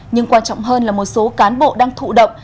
nhưng quan trọng hơn là một số cán bộ đang thụ động